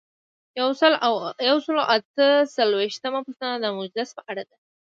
یو سل او اته څلویښتمه پوښتنه د مجلس په اړه ده.